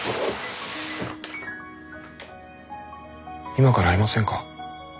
今から会いませんか？